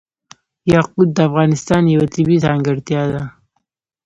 یاقوت د افغانستان یوه طبیعي ځانګړتیا ده.